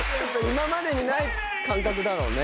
今までにない感覚だろうね。